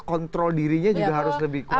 kontrol dirinya juga harus lebih kuat